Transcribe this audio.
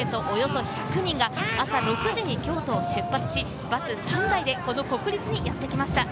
およそ１００人が朝６時に京都を出発し、バス３台で国立にやってきました。